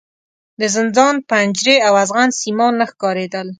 د زندان پنجرې او ازغن سیمان نه ښکارېدل.